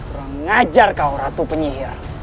rengajar kau ratu penyihir